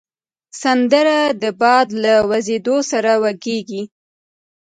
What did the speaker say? سندره د باد له وزېدو سره وږیږي